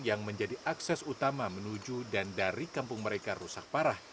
yang menjadi akses utama menuju dan dari kampung mereka rusak parah